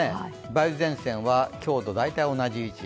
梅雨前線は今日と大体同じ位置。